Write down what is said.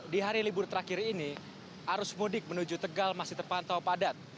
di hari libur terakhir ini arus mudik menuju tegal masih terpantau padat